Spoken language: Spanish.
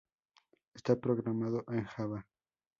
Está programado en Java.